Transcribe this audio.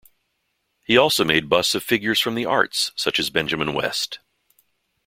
He also made busts of figures from the arts such as Benjamin West.